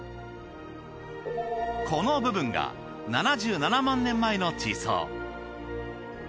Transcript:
この部分が７７万年前の地層。